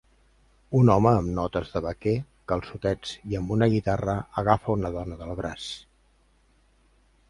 Un home amb notes de vaquer, calçotets i amb una guitarra agafa una dona del braç.